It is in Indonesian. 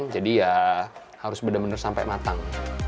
jadi ya harus bener bener sampe matang